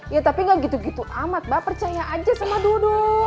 iya tapi gak gitu gitu amat mbah percaya aja sama dudung